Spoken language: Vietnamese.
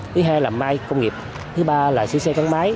thứ hai là máy công nghiệp thứ ba là xe xe văn máy